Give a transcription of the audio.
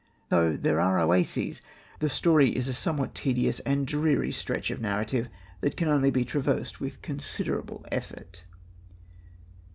Though there are oases, the story is a somewhat tedious and dreary stretch of narrative that can only be traversed with considerable effort.